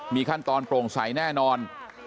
มีขั้นตอนโปร่งใสแน่นอน